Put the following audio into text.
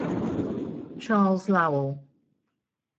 Charles Lowell.